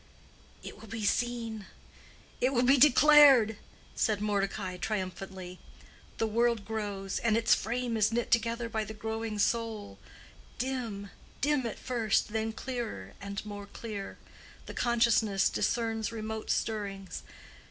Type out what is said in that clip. "It will be seen—it will be declared," said Mordecai, triumphantly. "The world grows, and its frame is knit together by the growing soul; dim, dim at first, then clearer and more clear, the consciousness discerns remote stirrings.